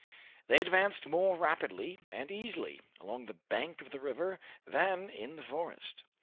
They advanced more rapidly and easily along the bank of the river than in the forest.